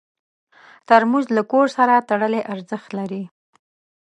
ترموز له کور سره تړلی ارزښت لري.